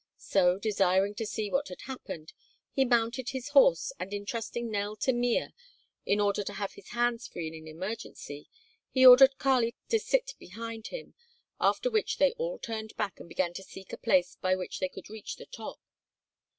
So, desiring to see what had happened, he mounted his horse and entrusting Nell to Mea in order to have his hands free in an emergency, he ordered Kali to sit behind him; after which they all turned back and began to seek a place by which they could reach the top.